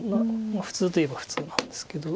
普通といえば普通なんですけど。